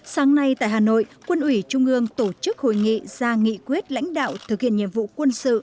sáng nay tại hà nội quân ủy trung ương tổ chức hội nghị ra nghị quyết lãnh đạo thực hiện nhiệm vụ quân sự